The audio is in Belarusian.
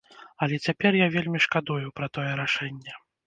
Але цяпер я вельмі шкадую пра тое рашэнне.